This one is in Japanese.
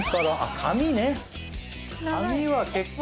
髪は結構。